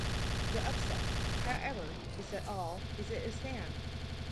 The upset, however, is that all is at a stand.